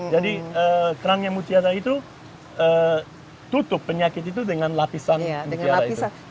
jadi kerang yang mutiara itu tutup penyakit itu dengan lapisan mutiara itu